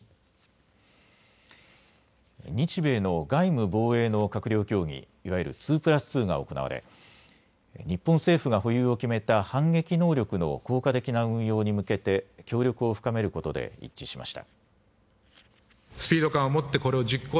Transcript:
日米の外務・防衛の閣僚協議いわゆる２プラス２が行われ日本政府が保有を決めた反撃能力の効果的な運用に向けて協力を深めることで一致しました。